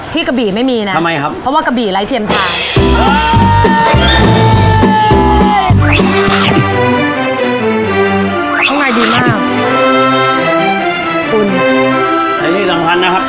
อยู่กับน้ำจิ้มครับแล้วก็จำนวนเกลียวเราแบบไส้เยอะครับ